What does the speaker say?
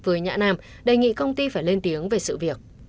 với nhã nam đề nghị công ty phải lên tiếng về sự việc